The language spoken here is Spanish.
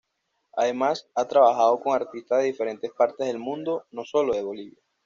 Además, ha trabajado con artistas de diferentes partes del mundo, no sólo de Bolivia.